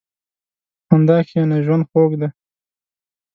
په خندا کښېنه، ژوند خوږ دی.